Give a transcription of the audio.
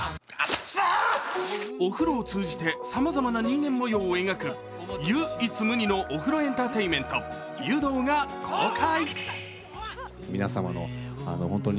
お風呂を通じてさまざまな人間模様を描く湯一無二のお風呂エンターテインメント「湯道」が公開。